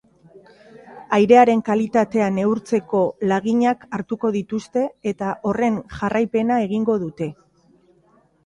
Airearen kalitatea neurtzeko laginak hartuko dituzte eta horren jarraipena egingo dute.